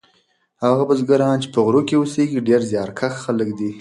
هغه بزګران چې په غرو کې اوسیږي ډیر زیارکښ خلک دي.